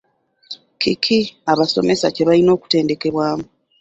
Ki ki abasomesa kye balina okutendekebwamu?